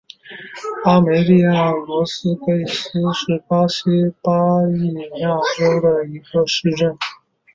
阿梅利娅罗德里格斯是巴西巴伊亚州的一个市镇。